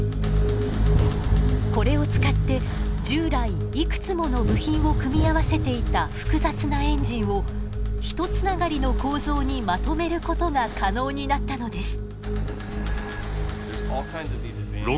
これを使って従来いくつもの部品を組み合わせていた複雑なエンジンをひとつながりの構造にまとめることが可能になったのです。